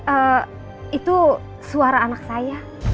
eh itu suara anak saya